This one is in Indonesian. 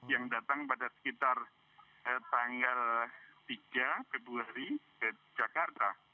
yang datang pada sekitar tanggal tiga februari ke jakarta